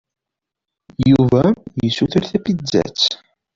Yuba yessuter tapizzat.